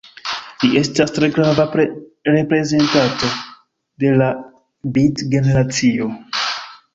Li estas tre grava reprezentanto de la Beat-generacio.